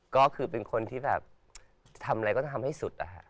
ก็คือเป็นคนที่แบบทำอะไรก็จะทำให้สุดอะฮะ